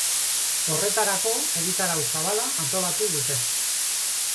Horretarako, egitarau zabala antolatu dute.